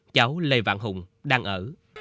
cháu lê vạn hùng đang ở